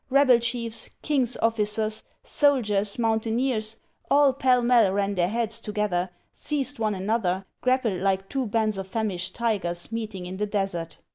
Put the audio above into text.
Rebel chiefs, king's officers, soldiers, mountaineers, all pell mell ran their heads together, seized one another, grap pled like two bands of famished tigers meeting in the desert.